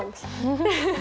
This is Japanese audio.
フフフ。